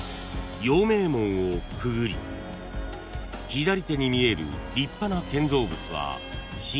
［陽明門をくぐり左手に見える立派な建造物は］